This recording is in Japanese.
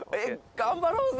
頑張ろうぜ！